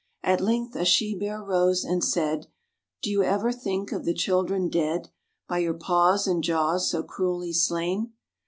At length a She Bear rose, and said, "Do you ever think of the children dead, By your paws and jaws so cruelly slain?